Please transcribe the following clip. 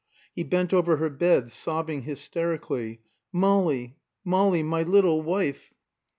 He bent over her bed, sobbing hysterically "Molly Molly my little wife!"